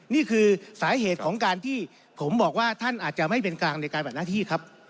นี่คือสาเหตุของการที่ผมบอกว่าท่านอาจจะไม่เป็นกลางในการบัดหน้าที่ครับ